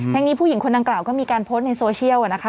นี้ผู้หญิงคนดังกล่าวก็มีการโพสต์ในโซเชียลนะคะ